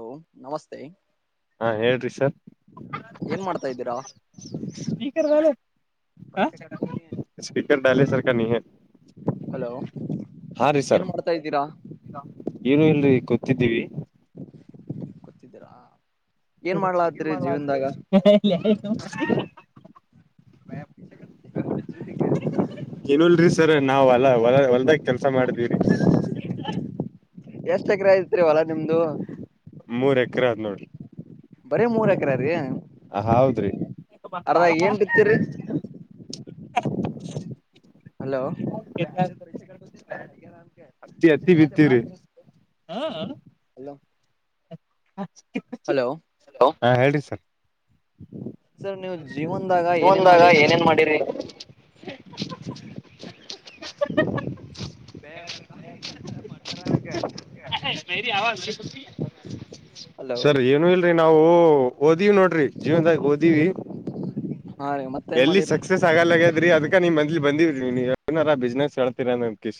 Hello [unintelligible] ಹಾ ಹೇಳ್ರಿ sir ಏನ್ ಮಾಡ್ತಾ ಇದ್ದೀರಾ ಸ್ಪೀಕರ್ ಸರ್ ನೀ ಹಲೋ ಹಾ ರೀ ಸರ್ ಏನ್ ಮಾಡ್ತಾ ಇದ್ದೀರಾ ಏನು ಹೇಳ ತ್ತಿದ್ದೀವಿ ಗೊತ್ತಿದ್ದೀರಾ. ಏನ್ ಮಾಡ್ಲಾತ್ರಿ ಮಾಡಲಾದ್ರಿ. ಜೀವನ್ದಾಗ ನಮಸ್ ಏನೂಳಿರಿ ಸ್ ಸರ್ ನಾವು ಎಲ್ಲ ಹೊಲ ಹೊಲ್ದಾಗ ಕೆಲ್ಸ ಮಾಡಿದೀವ್ರರಿ. ಎಷ್ಟು ಎಕ್ರೆ ಐತ್ರಿ ಹೊಲ ನಿಮ್ದು. ಮೂರ್ ಎಕರೆ ಆದ್ ನೋಡ್ರಿ. ಬರೀ ಮೂರ್ ಎಕ್ರೆ ರೀ. ಅರ್ದ ಏನ್ ಬಿತ್ತೀರಿ [unintelligible] ಹ ಹಲೋ ಹತ್ತಿ ಹತ್ತಿ ಬಿತ್ತೀವ್ರಿ [unintelligible] ಹಲೋ ಹಲೋ ಹಾಂ ಹೇಳ್ರಿ ಸರ್. ಸರ್ ನೀವು ಜೀವನ್ದಾಗ ಏನೇನ್ ಮಾಡಿರಿ. [inaudible] [unintelligible] ಹಲೋ ಸರಿ ಏನೂ ಇಲ್ರಿ. ನಾವು ಓದ್ ದೀವ್ ನೋಡ್ರಿ ಜೀವನ್ದಾಗ್ ಓದೀವಿ. ಹಾ ರೀ ಮತ್ತೇನ್ ಎಲ್ಲಿ ಮಾಡಿರಿ ಸಕ್ಸಸ್ ಆಗಲ್ಲ ಆಗೇದ್ರಿ ಅದಕ ನೀಮ್ ಮಂದ್ಲಿ ಬಂದೀವಿ. ನೀನೇರ್ ಬಿಸ್ನೆಸ್ ಹೇಳ್ತೀರೇನೊ ಅನ್ ಕಿ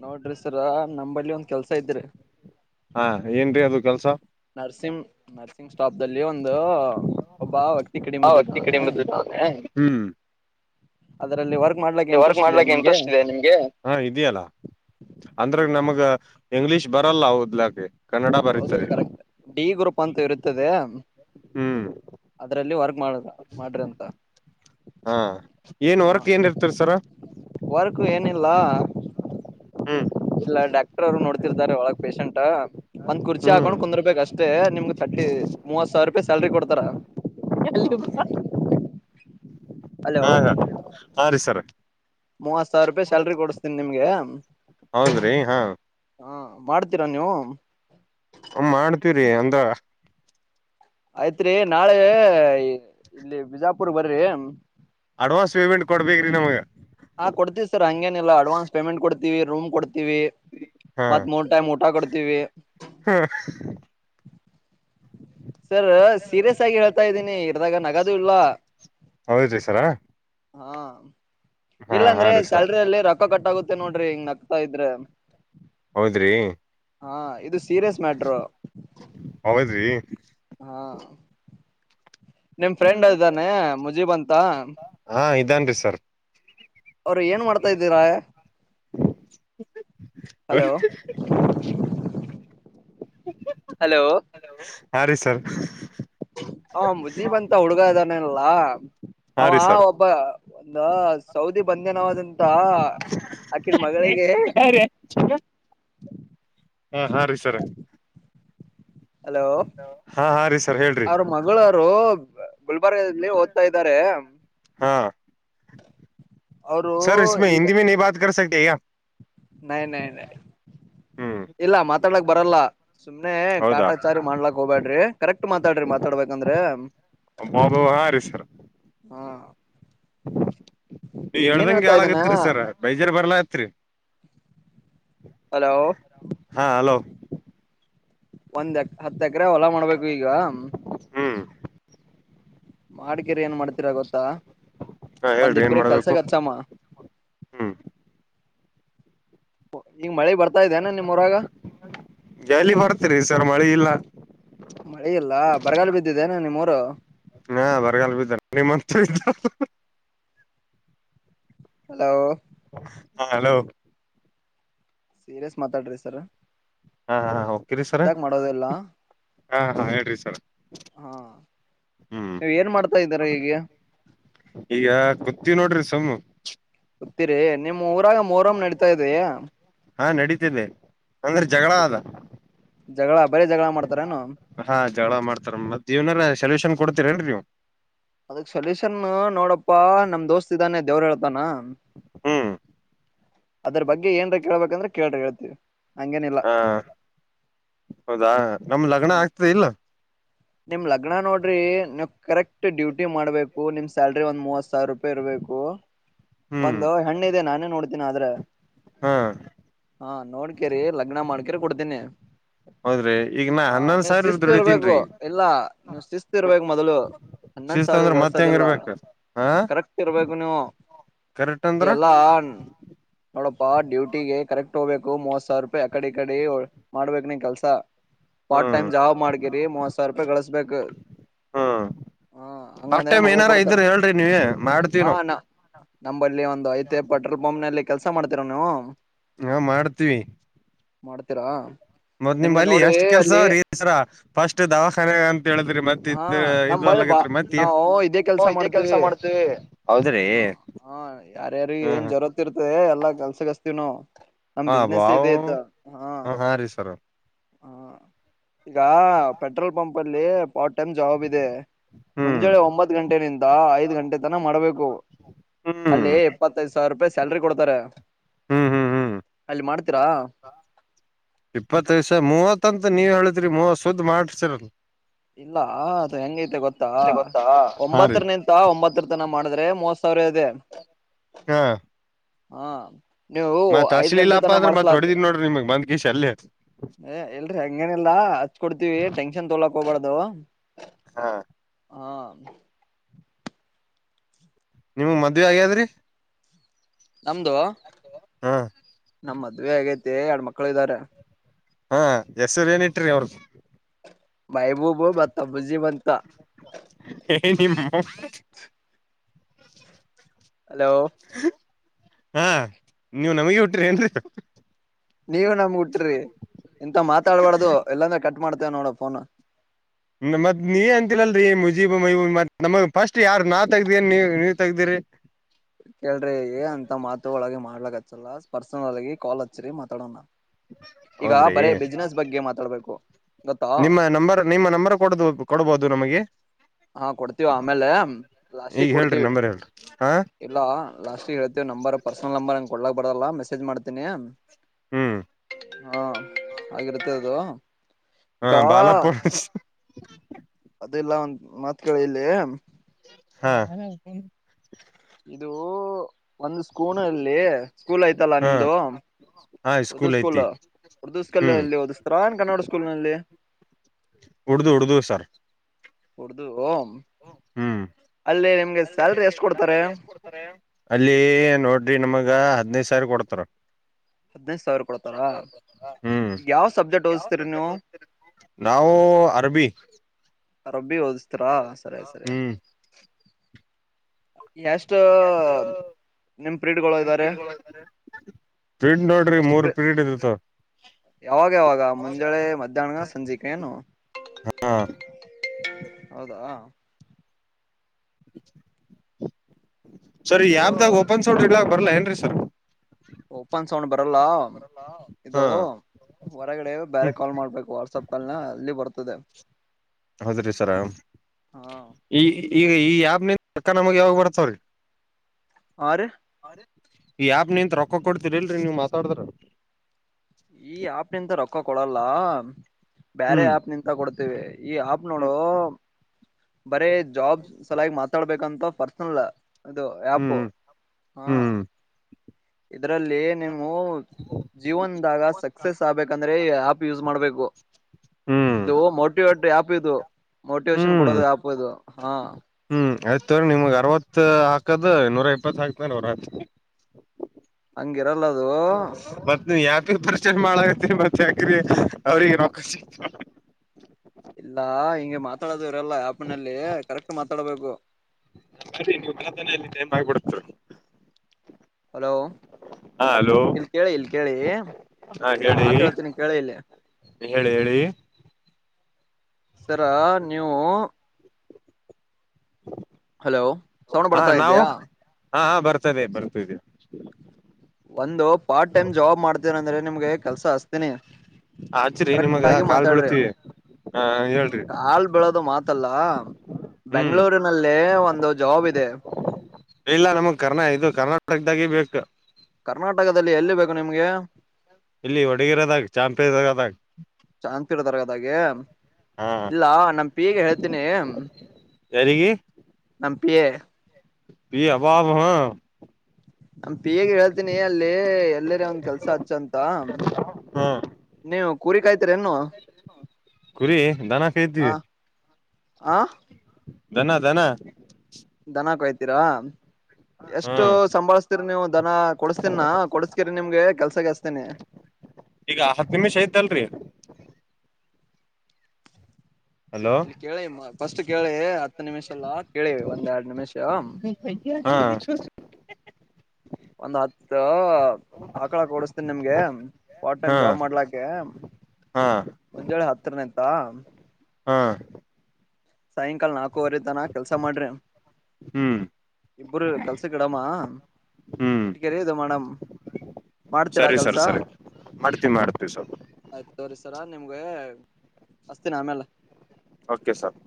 ನೋಡ್ರಿ ಸರ ನಂಬ ಲ್ಲಿ ಒಂದ್ ಕೆಲ್ಸ ಐತ್ರಿ. ಹಾ ಏನ್ರೀ ಅದು ಕೆಲ್ಸ? ನರ್ಸಿಂಗ್ ನರ್ಸಿಂಗ್ ಸ್ಟಾಫ್ದಲ್ಲಿ ಒಂದು ಒಬ್ಬ ವ್ಯಕ್ತಿ ಹಾ ವ್ಯಕ್ತಿ ಕಡಿಮಿದ್ದದೌನೇ ಕಡಿಮೆ ಬಂದ ವರ್ಕ್ ಇದೆ ಮಾಡ್ಲಿಕ್ಕೆ ನಿಮ್ಗೆ ಇಂಟ್ರೆಸ್ಟ್ ಇದಿಯಾ ನಿಮ್ಗೆ? ಹ ಇದೆಯಲ್ಲ ಅಂದ್ರೆ ಇದಯಾ ನಮಗ ಇಂಗ್ಲೀಷ್ ಬರಲ್ಲ ಓದ್ಲಕ್. ಹೌದು ಕರೆಕ್ಟ್ ಡಿ ಗ್ರೂಪ್ ಅಂತ ಇರುತ್ತದೆ. ಹ್ಮ್ ಅದ್ರ ಲ್ಲಿ ವರ್ಕ್ ಮಾಡದ ಮಾಡ್ರಂತ. ಹಾ ಏನ್ ಹಾ ವರ್ಕ್ ಏನ್ ಇರ್ತರಿ ಸರ ವರ್ಕು ಏನಿಲ್ಲ ಹ್ಮ್ ಇಲ್ಲ ಡಾಕ್ಟರ್ ಅವ್ರು ನೋಡ್ತಿರ್ತಾರೆ ಒಳಗ್ ಪೇಶಂಟ. ಒಂದ್ ಕುರ್ಚಿ ಹ್ಮ್ ಹಾಕೊಂಡು ಕುಂದ್ರಬೆಕಷ್ಟೇ ನಿಮ್ಗ ತರ್ಟಿ ಮೂವತ್ ಸಾವ್ರ ರೂಪಾಯಿ ಸ್ಯಾಲ್ರಿ ಕೊಡ್ತಾರ. ಹಲೋ ಹಾ ಹಾ ಹಾ ರೀ ಸರು. ಮೂವತ್ ಸಾವ್ರೂಪಾಯಿ ಸ್ಯಾಲ್ರಿ ಕೊಡ್ಸ್ತಿನಿ ನಿಮ್ಗೆ. ಹೌದ್ರಿ ಹಾ ಹ ಮಾಡ್ತೀರಾ ನೀವು ಹ ಮಾಡ್ತೀವ್ರರಿ ಅಂದ್ರ. ಆಯ್ತ್ರಿ ರಿ ನಾಳೆ ಇಲ್ಲಿ ಬಿಜಾಪುರ್ ಬರಿ. ಅಡ್ವಾನ್ಸ್ ಪೇಮೆಂಟ್ ಕೊಡ್ಬೇಕರೀ ನಮಗ. ಹಾ ಕೊಡ್ತತಿ ಸರ್ ಹಂಗೇನಿಲ್ಲ ಅಡ್ವಾನ್ಸ್ ಪೇಮೆಂಟ್ ಕೊಡ್ ತ್ತಿವಿ ರೂಮ್ ಹಾ ಮತ್ತ್ ಮೂರ್ ಟೈಮ್ ಊಟ ಕೊಡ್ತೀವಿ. ಸರ್ ಸೀರಿಯಸ್ ಆಗಿ ಹೇಳ್ತಾ ಇದ್ದೀನಿ ಇರ್ದಾಗ ನಗದು ಇಲ್ಲ. ಹೌದ್ರಿ ಸರ ಹಾ ಹಾ ಹಾ ಇಲ್ಲಾಂದ್ರೆ ರೀ ಸರ್ ಸ್ಯಾಲ್ರಿಯಲ್ಲಿ ರೊಕ್ಕ ಕಟ್ಟಾಗುತ್ತೆ ನೋಡ್ ಹಿಂಗ ನಗ್ತಾ ಇದ್ರೆ. ಹೌದ್ರಿ ಹಾ ಇದು ಸೀರಿಯಸ್ ಮ್ಯಾಟರು ಹೌದ್ರಿ ಹಾ ನಿಮ್ ಫ್ರೆಂಡ್ ಇದಾನೆ ಮುಜೀಬ ಅಂತ. ಹಾ ಇದಾನ್ರಿ ಸರ್ ಅವರು ಏನ್ ಮಾಡ್ತಾ ಇದ್ದೀರ. [inaudible] ಹಲೋ ಹಾ ರೀ ಸರ್ ಆ ಮುಜೀಬ್ ಅಂತ ಹುಡುಗ ಅದಾನಲ್ಲ ಹಾ ಅವ ರೀ ಸರ್ ಒಬ್ಬ. ಒಂದು ಸೌದಿ ಬಂದೆನವಾಜ್. ಅಂತ ಆಕಿನ ಮಗಳಿಗೆ. ಹಾ ಹಾ ರೀ ಸರ್ ಹಲೋ ಹಾ ಹಾ ರೀ ಸರ್ ಹೇಳ್ರಿ ಅವ್ರ ಮಗಳರು. ಗುಲ್ಬರ್ಗಲ್ಲಿ ಓದ್ತಾ ಇದ್ದಾರೆ. ಹಾ ಅವರು ಈಗ [unintelligible] [unintelligible] ನೈ ನೈ ನ ಹ್ಮ್ ಇಲ್ಲ ಮಾತಾಡ್ಲಾಕ್ ಬರಲ್ಲ ಸುಮ್ನೆ ಹೌದಾ ಕಾಟಾಚಾರಿ ಮಾಡ್ಲಾಕ್ ಹೋಗಬ್ಯಾಡ್ರಿ ಕರೆಕ್ಟ್ ಮಾತಾಡ್ರಿ ಮಾತಾಡ್ಬೇಕಂದ್ರೆ ಬಾಬು ಹಾ ರೀ ಸರ್ ಹಾ. ಏನ್ ಹೇಳ್ದಂಗೆ ಹೇಳ್ತಾ ಇದ್ದಾನ ಯಾಲಗತ್ರಿ ಸರ್ ಬೇಜಾರ್ ಬರ್ಲಾ. ತ್ರಿ. ಹಲೋ ಹಾ ಹಲೋ. ಒಂದ್ ಹತ್ತ. ಎಕ್ರೆ ಹೊಲಾ ಮಾಡ್ಬೇಕು ಈಗ. ಹ್ಮ್ ಮಾಡಿಕೇರಿ ಏನ್ ಮಾಡ್ತೀರಾ ಗೊತ್ತಾ. ಹಾ ಒಂದ್ ಹೇಳ್ರಿ ಏನ್ ಇಬ್ಬ್ರ ಮಾಡ್ಬೇಕು ಕೆಲ್ಸಕ್ ಹಚ್ಚಮ್ಮ ಹ್ಮ್. ಈಗ ಮಳೆ ಬರ. ಜಲ್ಲಿ ಬರ್ತೀರಿ ಸರ್ ಮಳೆ ಇಲ್ಲ. ಮಳೆ ಇಲ್ಲ ಬರಗಲು ಬಿದ್ದಿದ್ದೆ ನ ನಿಮ್ಮೂರು. ಹಾ ಬರಗಾಲ ಬಿದ್ದಾರ ನಿಮ್ಮಂತ ಹಲೋ. ಹಾ ಹಲೋ. ಸೀರಿಯಸ್ ಮಾತಾಡ್ರಿ ಸರ್. ಹಾ ಹ ಹೋಗ್ತೀರಾ ಸರ ಮಜಾಕ್ ಮಾಡೋದಿಲ್ಲ ಹ ಹಾ ಹೇಳ್ರಿ ಸರ್ ಹಾ ಹ್ಮ್ ನೀವ್ ಏನ್ ಮಾಡ್ತಾ ಇದ್ದೀರ ಈಗ ಈಗ. ನೋಡ್ರಿ ಸುಮ್ಮ. ರಿ ನಿ. ಊರಾಗ ಮೊಹರಂ ನಡತಾ ಇದ್ದ. ಹಾ ನಡೀತನೆ. ಅಂದ್ರೆ ಜಗಳ ಅದ ಜಗಳ ಬರೀ ಜಗಳ ಮಾಡ್ತಾರೇನು ಹಾ ಜಗಳ ಮಾಡ್ತಾರ ಮ ಜೀವನ ಸಲೂನ್. ಕೊಡ್ತೀರೇನ್ರಿ ನೀವು. ಅದಕ್ ಸೊಲ್ಯೂಷನ್ ನಾ ನೋಡಪ್ಪ ನಮ್ ದೋಸ್ತ್ ಇದ್ದಾನೆ ದೇವ್ರ ಹೇಳ್ತಾನ. ಹ್ಮ. ಕೇಟಾಗ್ದೆ. ಹಾ ಹೌದಾ. ನಮ್ ಲಗ್ನ ಹಾ ಆಗ್ತದೆ ಇಲ್ಲ. ನಿಮ್ ಲಗ್ನ ನೋಡ್ರಿ ನೀ ಕರೆಕ್ಟ್ ಡ್ಯೂಟಿ ಮಾಡ್ಬೇಕು ನಿಮ್ ಸ್ಯಾಲ್ರಿ ಒಂದ್ ಮೂವತ್ ಸಾವಿರ ರೂಪಾಯಿ ಇರ್ಬೇಕು ಹ್ಮ್ ಒಂದು ಹೆಣ್ಣ ಇದೆ ನಾನೇ ನೋಡ್ತೀನ ಆದ್ರೆ. ಹಾ. ಹಾ ನೋಡ್ಕೇರಿ ಲಗ್ನ ಮಾಡ್ಕೇರಿ ಕೊಡ್ತೀನಿ. ಹೌದ್ರಿ. ಈಗ ನಾ ಹಾ ಹನ್ನೊಂದ್ ನೀವು್ ಸಾವಿರ ಶಿಸ್ತು ಇರ್ಬೇಕು ದುಡಿತೀನ್ರಿ ಇಲ್ಲ ನೀವು್ ಶಿಸ್ತು ಇರ್ಬೇಕು ಮೊದ್ಲು ಹನ್ನೊಂದ್ ಶಿಸ್ತ ಸಾವಿರ ಅಂದ್ರ ಮತ್ ಗಳಿಸೋದಲ್ಲ ಗಳಿಸದಲ್ಲ ಹೆಂಗಿರ್ಬೇಕ ಹಾ ಕರೆಕ್ಟ್ ಇರ್ಬೇಕು ನೀವು ಕರೆಕ್ಟ್ ಅಂದ್ರ ಎಲ್ಲಾ ನೋಡಪ್ಪ. ಡ್ಯೂಟಿಗೆ ಕರೆಕ್ಟ್ ಬಿಟ್ಟುಹೋಗ್ಬೇಕ್ ಮೂವತ್ ಸಾವಿರ ರೂಪಾಯಿ ಅಕಡೆ ಈ ಕಡೆ ಮಾಡ್ಬೇಕೇಕ್ ನಿನ್ ಕೆಲಸ. ಪಾರ್ಟ್ ಹ್ಮ್ ಟೈಮ್ ಜಾಬ್ ಮಾಡ್ಕಿರಿ ಮೂವತ್ ಸಾವಿರ ರೂಪಾಯಿ ಗಳಿಸಬೇಕು ಹ್ಮ್ ಹ ಅಷ್ಟ ಹಂಗಂದ್ರ ಟೈಮ್ ಮಗಳು ಏನಾರ ಕೊಡ್ತಾರ ಇದ್ರ ಹೇಳ್ರಿ ನೀವೇ ಮಾಡ್ತೀವಿ ಹ ನಾವ್ ನ ನಲ್ಲಿ ಒಂದು ಐತೆ ಪೆಟ್ರೋಲ್ ಪಂಪ್ ನಲ್ಲಿ ಕೆಲ್ಸ ಮಾಡ್ತೀರ ನೀವು. ಹಾ ಮಾಡ್ತೀರಾ. ಮತ್ತ ನಿಮ್ ನಿಮ್ಗೆ ಬಲ್ಲಿ ನೋಡಿ ಎಷ್ಟು ಕೆಲಸ. ಕೆಲಸ ಅಲ್ಲಿ ಅರಿ ಸರ ಫಸ್ಟ್ ದವಾಖಾನೆ ಹಾ ನಮ್ ಬಳಿ ಬಾ ಮತ್ ಏನ್ ನಾವು ಇದೇ ಕೆಲ್ಸ ಮಾಡ್ತವಿ ಹೌದ್ರಿ ಹ ಹ ಯಾರ್ಯಾರ ಹ್ಮ್ ಏನ್ ಹ್ಮ್ ಜರೂರತಿ ಇರ್ತದೆ. ಎಲ್ಲ ಕೆಲ್ಸಕ್ ಅಚ್ಚತ್ತೀವಿ ನಾವು. ನಮ್ ಬಿಸ್ನೆಸ್ ಅಬಾಬ ಇದೆ ಆಯ್ತ ಹ ಹಾ ರೀ ಸರ್. ಹ ಈಗ ಪೆಟ್ರೋಲ್ ಪಂಪ್. ಬಲ್ಲಿ. ರ್ಟ್ ಟೈಮ್ ಜಾಬ್ ಇದೆ ಹ್ಮ್ ಮುಂಜಳೆ ಒಂಬತ್ತು ಗಂಟೆ ನಿಂದ ಐದು ಗಂಟೆ ತನ ಮಾಡಬೇಕು ಹ್ಮ್ ಅಲ್ಲಿ ಇಪ್ಪತ್ತೈದು ಸಾವಿರ ರೂಪಾಯಿ. ಸ್ಯಾಲ್ರಿ ಕೊಡ್ತಾರೆ. ಹ್ಮ್ ಹ್ಮ್ ಹ್ಮ್ ಅಲ್ಲಿ ಮಾಡ್ತೀರಾ ಇಪ್ಪತ್ತ ಐದ ಸಾವಿರ ಮೂವತ್ತ. ಮತ್ತಂತ ನೀವ ಹೇಳಿದ್ರಿ ಮೂವತ್ತ ಸುದ್ದ್ ಮಾಡಿಸರಲ್ಲ. ಇಲ್ಲ ಅದು ಹೆಂಗೈತೆ ಗೊತ್ತಾ ಗೊತ್ತಾ ಹಾ ರೀ ಒಂಬತ್ರ ನಿತ್ತ ಒಂಬತ್ತರ ತನ ಮಾಡಿದ್ರೆ ಮೂವತ್ತ ಸಾವಿರ ಇದೆ. ಹಾ ಹಾ ನೀವು ಮತ್ ಐದ್ ಗಂಟೆ ಹಚ್ಲಿಲ್ಲಪ್ಪ ತನ ಅಂದ್ರೆ ಮಾಡ್ಸ್ಲ ಮತ್ ಹೊಡಿದೀನಿ ನೋಡ್ರಿ ನಿಮಗ್ ಬಂದ್ ಕಿಸಿ ಅಲ್ಲೇ ಎಲ್ರಿ ಹಂಗೇನಿಲ್ಲಾ ಹಚ್ಕೊಡ್ತಿವಿ ಟೆನ್ಶನ್ ತೊಳಕ್ ಹೋಗ್ಬಾರ್ದ. ಅಲೋ. ಹಾ ಹಾ ನಿಮ್ಮಗ ಮದ್ವಿ ಆಗ್ಯಾದ್ರಿ. ನಮ್ದು ಹ್ಮ್ ನಮ್ಮ್ ಮದ್ವಿ ಆಗೈತಿ ಎರಡ್ ಮಕ್ಕಳು ಇದಾರೆ. ಹಾ ಹೆಸರ ಏನ ಇಟ್ರಿ ಅವ್ರ್ದು. ಮೆಹಬುಬ ಮತ್ತ ಮುಜಿಬ ಅಂತ. ಏ ನಿಮ್ಮ ಹಲೋ ಹಾ ನೀವು ನಮಗ ಹುಟ್ಟಿರಿ ಏನ್ರಿ. ನೀವ ನಮ್ಮಗ ಉಟ್ರಿ ಇಂತವ ಮಾತಾಡ್ಬಾರ್ದು ಇಲ್ಲಾ ಅಂದ್ರ ಕಟ್ ಮಾಡ್ತ. ತ ನೋಡು ಫೋನು. ಮತ್ ನೀ ಅಂತಿಲ್ಲಲ್ರರಿ ಮುಜೀಬ ಮ ಮ ನಮ ಫಸ್ಟ್ ಯಾರ ನಾ ತೆಗ್ದಿ ನೀವ ನೀವ್ ತೆಗ್ದಿರಿ. ಕೇಳ್ರಿ ಏ ಅಂತ ಮಾತು ಒಳಗೆ ಮಾಡ್ಲಕ್ಕ ಒಂದ್ಸಲ ಪರ್ಸನಲ್ ಆಗಿ ಕಾಲ್ ಹಚ್ಚಿರಿ ಮಾತಾಡನ. ಹೌದ್ರಿ ಮಾತಾಡ್ಬೇಕು ಗೊತ್ತಾ ನಿಮ್ಮ ನಂಬರ್ ನಿಮ್ಮ ನಂಬರ್ ಕೊಡದು ಕೊಡ್ಬೋದು ನಮಗೆ. ಹಾ ಕೊಡ್ತೀವ ಆಮೇಲೆ ಈಗ ಲಾಸ್ಟಿಗೆ ಹೇಳ್ರಿ ಕೊಡ್ತೀವಿ ನಂಬರ್ ಹೇಳ್ರಿ ಹಾ ಇಲ್ಲ ಲಾಸ್ಟಿಗೆ ಹೇಳ್ತೀವ ನಂಬರ್ ಪರ್ಸನಲ್ ನಂಬರ್. ಕೊಡ್ಲಕ್ ಬರಲ್ಲ ಮೆಸೇಜ್ ಮಾಡ್ತನಿ. ಹ್ಮ್ ಹಾ ಆಗಿರುತ್ತೆ ಅದು. ಹಾ ಈಗ ಬಾಲಪ್ಪುಸ್. ದಿಲ್ಲಾ. ಮತ್ ಕೇಳ ಇಲ್ಲಿ. ಹಾ ಇದು ಒಂದು ಸ್ಕೂನಲ್ಲಿ ಸ್ಕೂಲ್ ಐತಲ್ಲಾ ಹಾ ನಿಮ್ದು ಹಾ ಉರ್ದು ಸ್ಕೂಲ್ ಐತಿ ಉರ್ದು ಹ್ಮ್ ಸ್ಕೂಲ್ಲ್ಲಿ ಓದಸ್ತಾರಾ ಕನ್ನಡ ಸ್ಕೂಲ್ ನಲ್ಲಿ. ಉಡ್ದು ಉಡ್ದು ಉರ್ದು ಓ ಹಾ ಹ್ಮ ಸ್ಯಾಲ್ರಿ ಎಷ್ಟ್ ಕೊಡ್ತಾರೆ ಅಲ್ಲಿ ನೋಡ್ರಿ ನಮಗ. ಈಗ ಹದ್ನೈದು ಸಾವಿರ ಕೊಡ್ತಾರ. ಹದ್ನೈದು ಸಾವಿರ ಕೊಡ್ತಾರ ಹ್ಮ ಯಾವ್ ಸಬ್ಜೆಕ್ಟ್ ಓದಿಸ್ತೀರಿ ನೀವು ನಾವು ಅರಬ್ಬಿ ಅರಬ್ಬಿ ಓದ್ಸ ತರ ಸರಿ ಸರಿ. ಹ್ಮ್ ಎಷ್ಟ ನಿಂಪ್ರೀಡ್ಗಳು ಇದ್ದಾರೆ ಪೀಡ್ ನೋಡ್ರಿ ಎಷ್ಟ ಮೂರ್ ಪ್ರಿ ಪೀರಿಯಡ್ ಇರ್ತವ ಯಾವಾಗ ಯಾವಾಗ ಮುಂಜಳೆ ಮಧ್ಯಾಹ್ನ ಸಂಜಿಕೆ ಏನು. ಹಾ ಹೌದಾ [inaudible] ಸರಿ ಈ ಇದು ಆ್ಯಪ್ದಾಗ ಓಪನ್ ಸೋಡ್ರಿ ಇಲ ಬರ್ಲೇನ್ ಏ ಸರ್ ಓಪನ್ ಸೌಂಡ್ ಬರಲ್ಲ ಇದು ಹಾ ಹೊರಗಡೆ ಬೇರೆ ಹ್ಮ್ ಕಾಲ್ ಮಾಡ್ಬೇಕು ವಾಟ್ಸಪ್ ಕಾಲ್ನ ಅಲ್ಲಿ ಬರ್ತ ತದೆ. ಹೌದ್ರಿ ಸರ ಈ. ಈಗ ಈ ಆಪ್ ನಿನ್ ಕ್ಕ ನಮಗ ಯಾವಾಗ ಬರ್ತಾವ್ರೀ. ಅರಿ ಈ ಆಪ್ ನೀಂತ ರೊಕ್ಕ ಕೊಡ್ತೀರಿ ಇಲ್ರರಿ ನೀವ್ ಮಾತಾಡದ್ರ. ಈ ಆಪ್ನಂತ ರೊಕ್ಕ ಕೊಡಲ್ಲ. ಬ್ಮಾರೆ ಹ್ಮ್ ಆಪ್ ನಿಂತ ಕೊಡ್ತೇವಿ ಈ ಆಪ್ ಹ್ಮ್ ನೋಡು. ಬರೇ ಜಾಬ್ ಸಲಾಗಿ ಮಾತಾಡ್ಬೇಕಂತ ಪರ್ಸನಲ್ ಅದು ಆಪ್ ಹ್ಮ್ ಹ್. ಹ್ಮ್ ಇದ್ರಲ್ಲಿ ನಿಮ್ ಹ್ಮ್ಮ್ ಜೀವನ್ದಾಗ ಸಕ್ಸಸ್ ಆಗ್ಂತ ಅಂದ್ರೆ ಆ್ಯಪ್ ಯೂಸ್ ಮಾಡ್ಬೇಕು. ಹ್ಮ್ ಇದು ಮೊ ಮಟಿವೇಟ್ ಯಪ್ ಇದು ಮೋಟಿವೇೇಶನ್ ಹ್ಮ್ ಕೊಡೋದು ಆಪ್ ಇದು ಹಾ. ಹ್ಮ್ ಆಯ್ತ ತೊರೀ ನಿಮಗ್ ಅರ್ವತ್ ಹಾಕದು ನೂರ ಇಪ್ಪತ್ ಹಾಕ್ತ್ರ ಅವತ್. ಹಂಗಿರಲ್ಲ. ಅದು ಬಟ್ ನೀ ಯಾಪಿಗೆ ಪರ್ಚೆಸ್ ಮಾಡಾಗತ್ತರಿ ಮತ್ತೆ ಯಾಕ್ರೆ ಅವ್ರಿಗೆ ನೋಕ ಸಿಕ್ ಇಲ್ಲಾ ಹಿಂಗೆ ಮಾತಾಡ ಇಲ್ಲ ಆಪ್ನಲ್ಲಿ ಕರೆಕ್ಟ್. ತಡಬೇಕು. ಸರಿ ನೀವು ಕತನಲ್ಲಿ ಟೈಮ್ ಆಗಬೋಡುತ್ತೆ. ಹಲೋ ಇಲ್ ಕೇಳಿ ಇಲ್ ಕೇಳಿ ಹಾ ಒಂದ್ ಹೇಳಿ ಮಾತ ಹೇತೀನಿ ಕೇಳಿ ಇಲ್ಲಿ. ಹೇಳಿ ಹೇಳಿ ಸರ ನೀವು. ಹಲೋ. ಸೌಂಡ್ ಹಾ ಬರ್ತಾ ನಾವು ಇದಯಾ ಹಾ ಬರ್ತದೆ ಬರ್ತದೆ. ಒಂದು ಪಾರ್ಟ್ ಟೈಮ್ ಜಾಬ್ ಮಾಡ್ತೀರಂದ್ರೆ ನಿಮ್ಗೆ. ಕೆಲಸ ಅಚೀತೀನಿ. ಆಚ್ಚರಿ ನಿಮಗ ಕಾಲ್ ಬಿಳತಿವಿ ಹ ಹೇಳ್ರಿ. ತ್ತಲ್ಲಾ ಹ್ಮ್ ಬೆಂಗಳೂರಿನಲ್ಲಿ ಒಂದು ಒಂದು ಜಾಬ್ ಇದೆ. ಇಲ್ಲ ನಮಗ್ ಕರ್ನಾ ಇದು ಕರ್ನಾಟಕದಾಗ ಬೇಕು. ಕರ್ನಾಟಕದಲ್ಲಿ ಎಲ್ಲಿ ಬೇಕು ನಿಮ್ಗೆ ಇಲ್ಲಿ ಒಡುಗಿರದಾಗ ಚಾಂಪಿಯನ್ದಾಗ. [inaudible] ಅದಾಗೆ. ಇಲ್ಲಾ ನಮ ಪೀಗೆ ಹೇಳ್ತೀನಿ. ಯಾರಿಗಿ. ಕಾಂಪ್ಲಿ. [unintelligible] ನಮ್ ಪಿ ಎ ಗೆ ಹೇಳ್ ತಿನಿ ಅಲ್ಲಿ ಎಲ್ಲರ ಒಂದ್ ಕೆಲ್ಸ ಹಚ್ಚು ಅಂತ ಹ ನೀವು ಕುರಿ ಕಾಯ್ ಕುರಿ ದನ ಹ ಕಾಯ್ತಿವಿ. ಆ ದನ ದನ. ದನ ಕಾಯ್ತೀರಾ. ಎಷ್ಟು ಹ್ಮ್ ಸಂಭಾಳ್ಸ್ತೀರಿ ನೀವು ದನ ಕೊಡಸ್ತೀನ ಕೊಡ್ಸ್ಕಿರಿ ನಿಮ್ಗೆ ಕೆಲ್ಸಗಸ್ತೀನಿ. ಈಗ ಹತ್ ನಿಮಿಷ ಐತಲ್ರಿ ಹಲೋ ಇಲ್ಲಿ ಕೇಳಿ [unintelligible] ಫಸ್ಟ್ ಕೇಳಿ ಹತ್ತು ನಿಮಿಷಲ್ಲಾ. ಕೇಳಿ ಒಂದ್ ಎರಡ್ ನಿಮಿಷ ಹಾ ಒಂದ್ ಹತ್ತ್ ಹ ಆಕಳ ಕೊಡಸ್ತಿನ್ ನಿಮ್ಗೆ ಪಾರ್ಟ್ ಟೈಮ್ ಹಾ ಜಾಬ್ ಮಾಡ್ಲಾಕೆ ಹಾ ಮುಂಜಳೆ ಹತ್ತರನ ಬಾ. ಹಾ ಸಾಯಂಕಾಲ್ ನಾಲ್ಕು ಕುವರಿ ತಾನ ಕೆಲ್ಸ ಮಾಡ್ರಿ ಹ್ಮ್ ಇಬ್ರು ಕೆಲ್ಸಕಿಡಮ ಹ್ಮ್ ಇಟ್ಕರಿ ಇದು ಮಾಡಮ್ ಮಾಡ್ತೀರಾ ಸರಿ ಕೆಲ್ಸ ಸರ್ ಸರಿ ಮಾಡ್ತೀವಿ ಮಾಡ್ತೀವಿ ಸರ್ ಆಯ್ತ ತೋರಿ ಸರ ನಿಮ್ಗೆ ಹಸ್ತಿನ್ ಆಮೇಲ್ಲೆ. Okay sir.